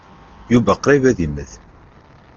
Yuba qṛib ad immet.